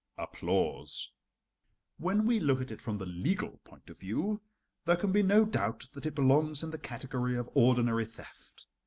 "When we look at it from the legal point of view there can be no doubt that it belongs in the category of ordinary theft.